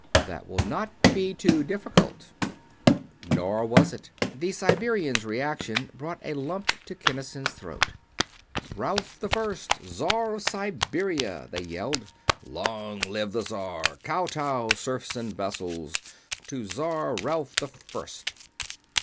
"That will not be too difficult." Nor was it. The Siberians' reaction brought a lump to Kinnison's throat. "Ralph the First, Czar of Siberia!" they yelled. "Long live the Czar! Kowtow, serfs and vassals, to Czar Ralph the First!"